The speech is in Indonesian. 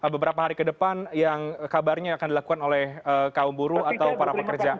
beberapa hari ke depan yang kabarnya akan dilakukan oleh kaum buruh atau para pekerja